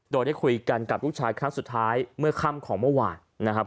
โดยได้คุยกันกับลูกชายครั้งสุดท้ายเมื่อค่ำของเมื่อวานนะครับ